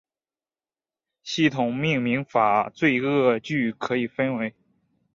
系统命名法恶作剧可以为